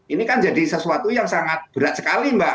ini kan jadi sesuatu yang sangat berat sekali mbak